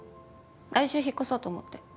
来週引っ越そうと思って。